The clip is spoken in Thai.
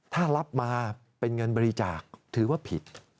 ถ้ารับมาเป็นเงินบริจาคถือว่าผิด